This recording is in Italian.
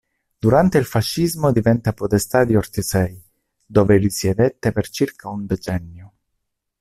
Durante il fascismo divenne podestà di Ortisei dove risiedette per circa un decennio.